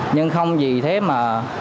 nhưng không vì thế mà